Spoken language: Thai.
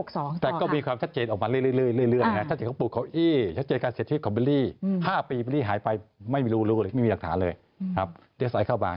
ซึ่งถ้าออกมาไปนอกต้องเสียชีวิตแน่นอน